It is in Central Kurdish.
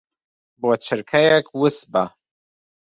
بۆ چرکەیەک وس بە.